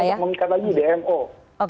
untuk mengikat lagi dmo